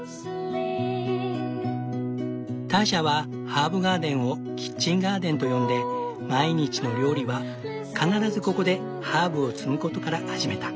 ターシャはハーブガーデンをキッチンガーデンと呼んで毎日の料理は必ずここでハーブを摘むことから始めた。